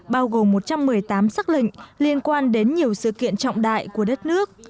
bao gồm một trăm một mươi tám xác lệnh liên quan đến nhiều sự kiện trọng đại của đất nước